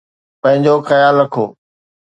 پنهنجو خيال رکو